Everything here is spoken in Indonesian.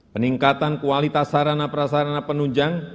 peningkatan kualitas sarana prasarana penunjang